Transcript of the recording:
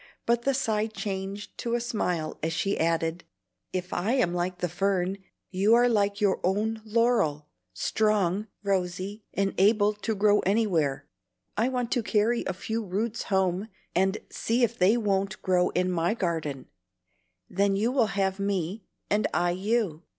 But the sigh changed to a smile as she added, "If I am like the fern, you are like your own laurel, strong, rosy, and able to grow anywhere. I want to carry a few roots home, and see if they won't grow in my garden. Then you will have me, and I you.